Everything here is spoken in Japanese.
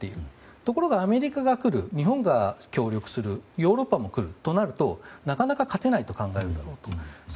ところがアメリカが来る日本が協力するヨーロッパも来る、となるとなかなか勝てないと考えると思います。